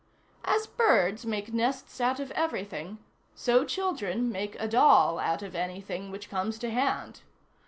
As birds make nests out of everything, so children make a doll out of anything which comes to hand.